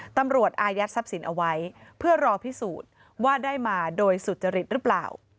อายัดทรัพย์สินเอาไว้เพื่อรอพิสูจน์ว่าได้มาโดยสุจริตหรือเปล่า